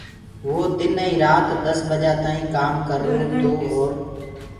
وو دن ائيٚنٚ رآتيٚ دس بجآ تآئيٚنٚ ڪآم ڪررو تو اور